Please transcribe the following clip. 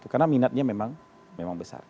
karena minatnya memang besar